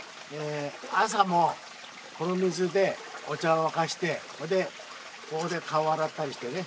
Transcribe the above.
朝もこの水でお茶を沸かしてほれでここで顔を洗ったりしてね。